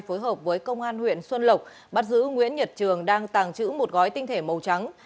phối hợp với công an huyện xuân lộc bắt giữ nguyễn nhật trường đang tàng trữ một gói tinh thể màu trắng